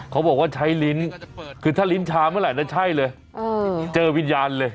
เขาบอกว่าใช้ลิ้นคือถ้าลิ้นชาเมื่อไหร่นะใช่เลยเจอวิญญาณเลย